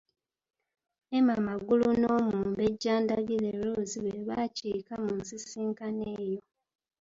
Emma Mugalu n'Omumbejja Ndagire Rose be baakiika mu nsisinkano eyo.